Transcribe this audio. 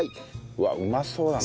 うわっうまそうだな。